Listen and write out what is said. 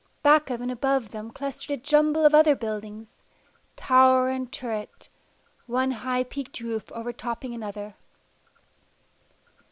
Back of and above them clustered a jumble of other buildings, tower and turret, one high peaked roof overtopping another.